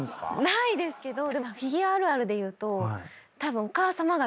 ないですけどフィギュアあるあるでいうとたぶんお母さま方。